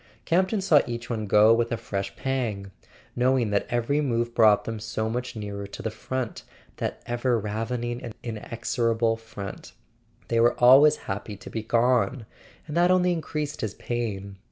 Campton saw each one go with a fresh pang, knowing that every move brought them so much nearer to the front, that ever ravening and inexorable front. They were always happy to be gone; and that only increased his pain.